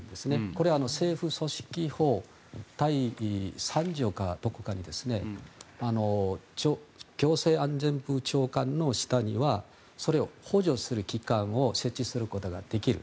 これは政府組織法第３条かどこかに行政安全部長官の下にはそれを補助する機関を設置することができる。